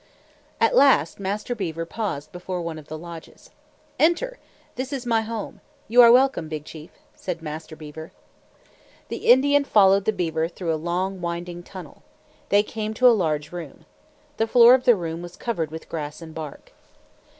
At last Master Beaver paused before one of the lodges. "Enter! This is my home. You are welcome, Big Chief," said Master Beaver. The Indian followed the beaver through a long, winding tunnel. They came to a large room. The floor of the room was covered with grass and bark.